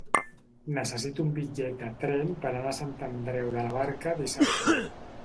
Necessito un bitllet de tren per anar a Sant Andreu de la Barca dissabte.